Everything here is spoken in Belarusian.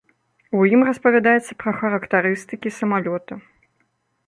У ім распавядаецца пра характарыстыкі самалёта.